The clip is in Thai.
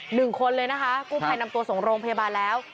หนึ่งคนเลยนะคะกู้ภัยนำตัวส่งโรงพยาบาลแล้ว